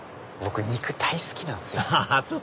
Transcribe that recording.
僕肉大好きなんすよ。